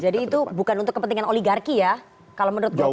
jadi itu bukan untuk kepentingan oligarki ya kalau menurut golkar ya